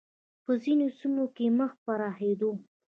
په ځینو سیمو کې مخ په پراخېدو و